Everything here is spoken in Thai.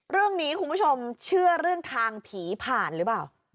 คุณผู้ชมเชื่อเรื่องทางผีผ่านหรือเปล่า